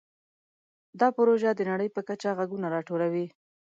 دا پروژه د نړۍ په کچه غږونه راټولوي.